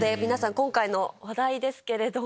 今回の話題ですけれども。